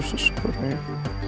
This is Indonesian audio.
ini sukalah aku petri susu reng